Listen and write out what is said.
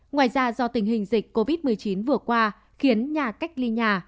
ngoài ra do tình hình dịch covid một mươi chín vừa qua khiến nhà cách ly nhà